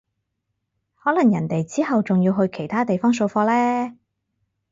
可能人哋之後仲要去其他地方掃貨呢